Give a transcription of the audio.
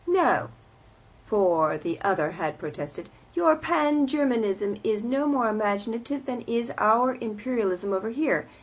No" for the other had protested "your Pan Germanism is no more imaginative than is our Imperialism over here.